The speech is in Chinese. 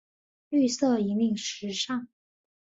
绿色引领时尚。